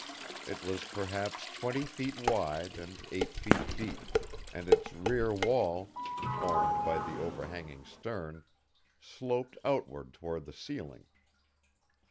It was perhaps twenty feet wide and eight feet deep; and its rear wall formed by the overhanging stern sloped outward toward the ceiling.